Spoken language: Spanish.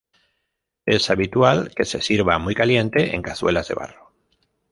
Es habitual que se sirva muy caliente en cazuelas de barro.